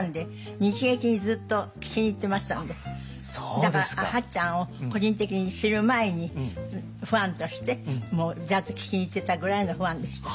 だから八ちゃんを個人的に知る前にファンとしてもうジャズ聞きに行ってたぐらいのファンでした。